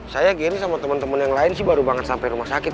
saya gini sama teman teman yang lain sih baru banget sampai rumah sakit